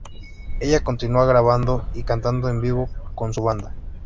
Ella continua grabando y cantando en vivo con su banda.